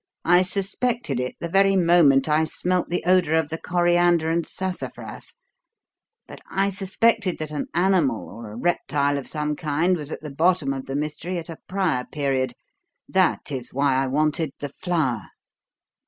I suspected it the very moment I smelt the odour of the coriander and sassafras; but I suspected that an animal or a reptile of some kind was at the bottom of the mystery at a prior period. That is why I wanted the flour.